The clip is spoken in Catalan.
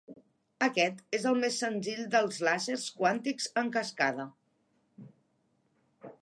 Aquest és el més senzill dels làser quàntics en cascada.